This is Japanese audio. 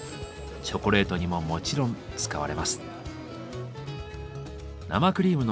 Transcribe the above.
チョコレートにももちろん使われます。